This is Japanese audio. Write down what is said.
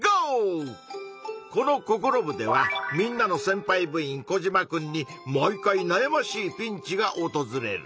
このココロ部ではみんなのせんぱい部員コジマくんに毎回なやましいピンチがおとずれる。